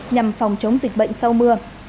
nhằm phòng chống dịch bệnh sau mưa